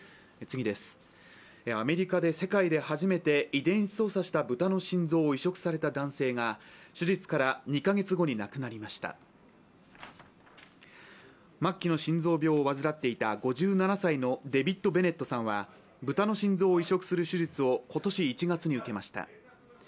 アメリカで、世界で初めて遺伝子操作した豚の心臓を移植された男性が手術から２カ月後に亡くなりました末期の心臓病を患っていた５７歳のデビッド・ベネットさんは豚の心臓を移植する手術を今年１月に受けました。